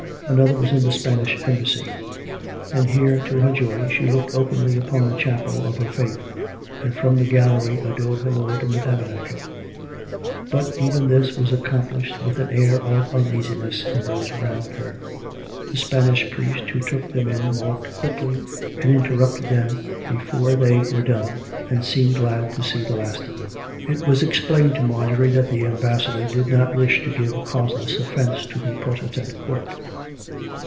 Another was in the Spanish Embassy; and here, to her joy, she looked openly upon a chapel of her faith, and from the gallery adored her Lord in the tabernacle. But even this was accomplished with an air of uneasiness in those round her; tlie Spanish priest who took them in walked quickly and interrupted them before they were done, and seemed glad to see the last of them. It was explained to Marjorie that the ambassador did not wisli to give causeless offence to the Protestant court.